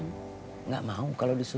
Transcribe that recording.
neng mau ke pasar